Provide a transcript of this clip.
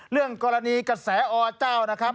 เรื่องกรณีกระแสอเจ้านะครับ